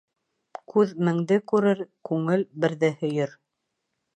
Күҙ меңде күрер, күңел берҙе һөйөр.